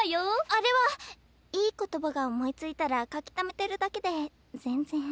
あれはいい言葉が思いついたら書きためてるだけで全然。